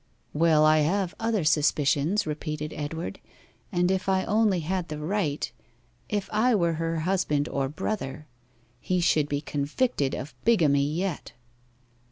'Well, I have other suspicions,' repeated Edward; 'and if I only had the right if I were her husband or brother, he should be convicted of bigamy yet.